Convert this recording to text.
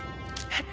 えっ？